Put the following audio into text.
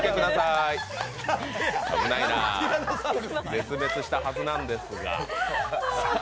絶滅したはずなんですが。